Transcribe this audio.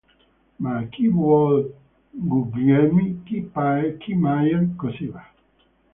Ma chi vuol Guglielmi, chi Paer, chi Maier; così va.